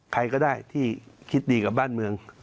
ใครก็ได้ที่คิดดีกับบ้านเมือง